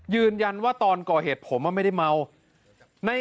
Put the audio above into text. ยืนยันว่าตอนก่อเหตุผมไม่ได้เมา